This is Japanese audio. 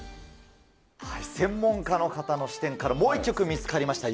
専門家の方の視点からもう一曲見つかりました。